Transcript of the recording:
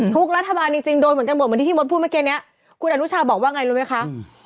รัฐบาลจริงจริงโดนเหมือนกันหมดเหมือนที่พี่มดพูดเมื่อกี้เนี้ยคุณอนุชาบอกว่าไงรู้ไหมคะ